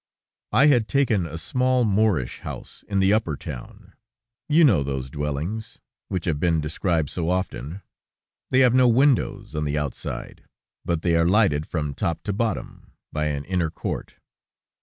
I had taken a small, Moorish house, in the upper town. You know those dwellings, which have been described so often. They have no windows on the outside; but they are lighted from top to bottom, by an inner court.